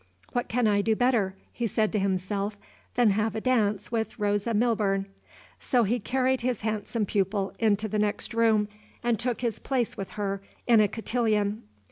"What can I do better," he said to himself, "than have a dance with Rosa Milburn?" So he carried his handsome pupil into the next room and took his place with her in a cotillon.